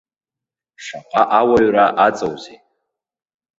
Шаҟа ауаҩра аҵоузеи!